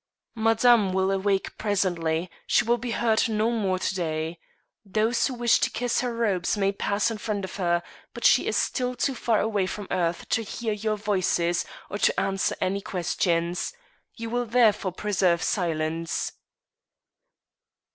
"Madame will awake presently; she will be heard no more to day. Those who wish to kiss her robes may pass in front of her; but she is still too far away from earth to hear your voices or to answer any questions. You will therefore preserve silence."